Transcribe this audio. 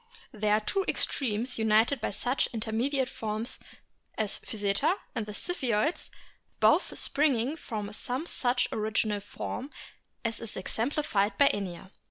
They are the two extremes united by such intermediate forms as Physeter, and the Ziphioids, both springing from some such original form as is exemplified by Inia.